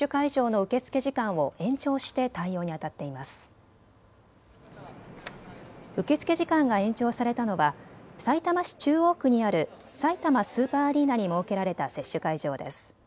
受け付け時間が延長されたのはさいたま市中央区にあるさいたまスーパーアリーナに設けられた接種会場です。